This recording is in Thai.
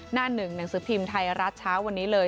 หน้าหนึ่งหนังสือพิมพ์ไทยรัฐเช้าวันนี้เลย